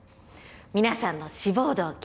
皆さんの志望動機